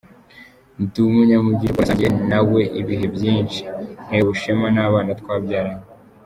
Ndi umunyamugisha kuko nasangiye na we ibihe byinshi, ntewe ishema n’abana twabyaranye.